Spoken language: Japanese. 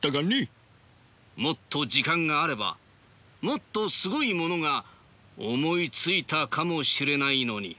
もっと時間があればもっとすごいものが思いついたかもしれないのに。